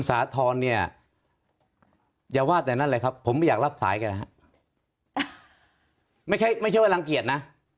แสดงว่าอายการท่าน